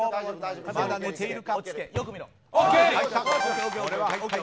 まだ寝ているか。